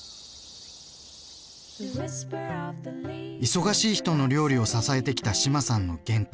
忙しい人の料理を支えてきた志麻さんの原点。